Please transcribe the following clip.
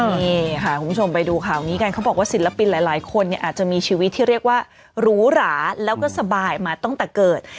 นี่ค่ะคุณผู้ชมไปดูข่าวนี้กันเขาบอกว่าศิลปินหลายคนเนี่ยอาจจะมีชีวิตที่เรียกว่าหรูหราแล้วก็สบายมาตั้งแต่เกิด